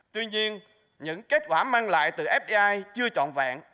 tuy nhiên những kết quả mang lại từ fdi chưa trọn vẹn